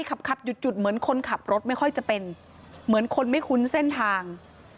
ขับขับหยุดเหมือนคนขับรถไม่ค่อยจะเป็นเหมือนคนไม่คุ้นเส้นทาง